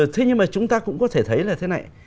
thế nhưng mà chúng ta cũng có thể thấy là thế này